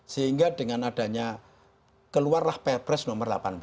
sehingga dengan adanya keluarlah perpres nomor delapan belas